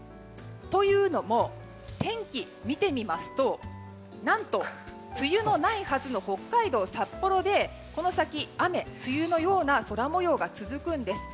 というのも、天気を見てみますと何と梅雨のないはずの北海道札幌でこの先雨、梅雨のような空模様が続くんです。